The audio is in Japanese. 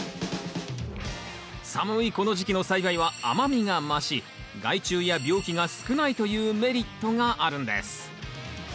寒いこの時期の栽培は甘みが増し害虫や病気が少ないというメリットがあるんです。